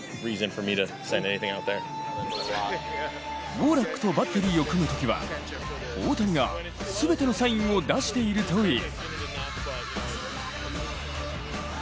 ウォーラックとバッテリーを組むときは、大谷が全てのサインを出しているという。